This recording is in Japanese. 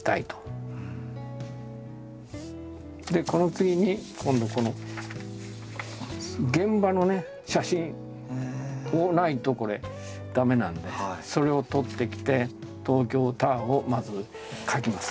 でこの次に今度この現場の写真をないと駄目なんでそれを撮ってきて東京タワーをまず描きます。